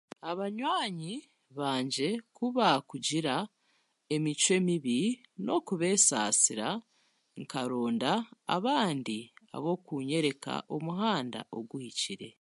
Abanywani bangye ku baakugira emicwe mibi, n'okubeesaasira, nkaronda abandi abokunyoreka omuhanda oguhikire.